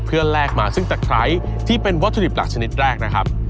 เพื่อแลกมาซึ่งตะไคร้ที่เป็นวัตถุดิบหลักชนิดแรกนะครับ